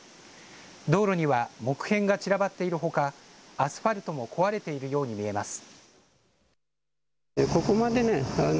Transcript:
道路には木片が散らばっているほか、アスファルトも壊れているように見えます。